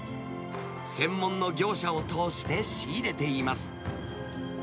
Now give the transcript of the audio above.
専門の業者を通して仕入れています。